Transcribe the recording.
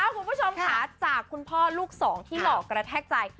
คุณผู้ชมค่ะจากคุณพ่อลูกสองที่หล่อกระแทกใจ